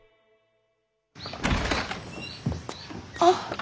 あっ。